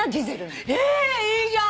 えいいじゃん！？